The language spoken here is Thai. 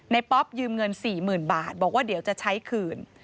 ป๊อปยืมเงิน๔๐๐๐บาทบอกว่าเดี๋ยวจะใช้คืน